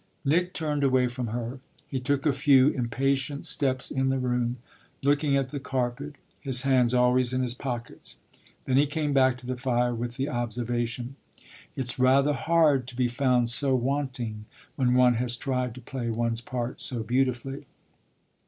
Nick turned away from her; he took a few impatient steps in the room, looking at the carpet, his hands always in his pockets. Then he came back to the fire with the observation: "It's rather hard to be found so wanting when one has tried to play one's part so beautifully."